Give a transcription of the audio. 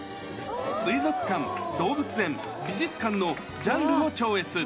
水族館、動物園、美術館のジャンルを超越。